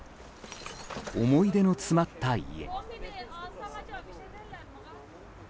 思い出の詰まった家。